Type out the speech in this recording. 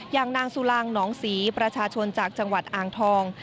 อย่างนางสุรางหนองศรีประชาชนจากจังหวัดอ่างทอง